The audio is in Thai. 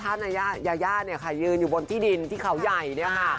ยายาเนี่ยค่ะยืนอยู่บนที่ดินที่เขาใหญ่เนี่ยค่ะ